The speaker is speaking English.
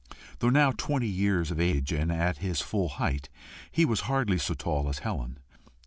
Though now twenty years of age, and at his full height, he was hardly so tall as Helen.